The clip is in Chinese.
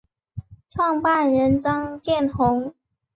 创办人张建宏。